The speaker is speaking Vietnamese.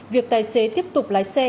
việc tài xế tiếp tục lái xe